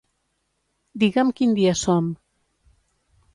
Digue'm quin dia som.